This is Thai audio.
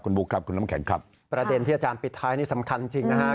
บุ๊คครับคุณน้ำแข็งครับประเด็นที่อาจารย์ปิดท้ายนี่สำคัญจริงนะฮะ